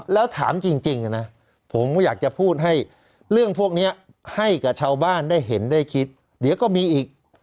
แล้วถามจริงนะผมอยากจะพูดให้เรื่องพวกนี้ให้กับชาวบ้านได้เห็นได้คิดเดี๋ยวก็มีอีก